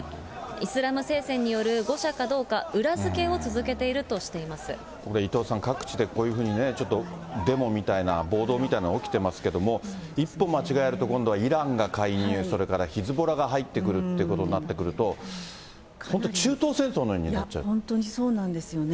イスラム聖戦による誤射かどうか、これ、伊藤さん、各地でこういうふうにね、ちょっとデモみたいな、暴動みたいなの起きてますけども、一歩間違えると、今度はイランが介入、それからヒズボラが入ってくるということになってくると、本当、本当にそうなんですよね。